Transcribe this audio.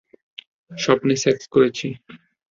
স্বপ্নে সেক্স করেছি।